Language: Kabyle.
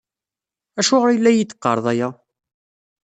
Acuɣer i la iyi-d-teqqareḍ aya?